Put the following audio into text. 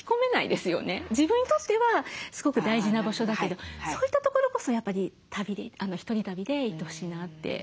自分にとってはすごく大事な場所だけどそういった所こそやっぱり１人旅で行ってほしいなって。